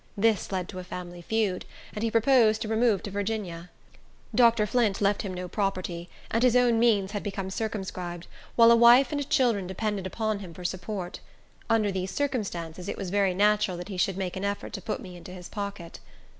This led to a family feud, and he proposed to remove to Virginia. Dr. Flint left him no property, and his own means had become circumscribed, while a wife and children depended upon him for support. Under these circumstances, it was very natural that he should make an effort to put me into his pocket.